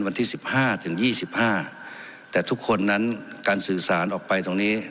วันที่สิบห้าถึงยี่สิบห้าแต่ทุกคนนั้นการสื่อสารออกไปตรงนี้